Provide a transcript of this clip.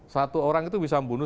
satu orang itu bisa membunuh